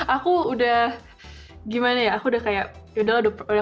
aku udah gimana ya aku udah kayak